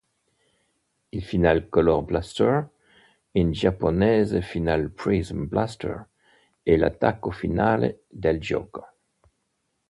Il Final Color Blaster, in giapponese Final Prism Blaster, è l'attacco finale del gioco.